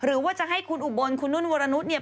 หรือว่าจะให้คุณอุบลคุณนุ่นวรนุษย์เนี่ย